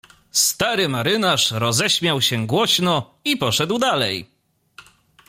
"Stary marynarz roześmiał się głośno i poszedł dalej."